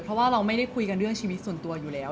เพราะว่าเราไม่ได้คุยกันเรื่องชีวิตส่วนตัวอยู่แล้ว